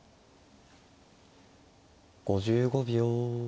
５５秒。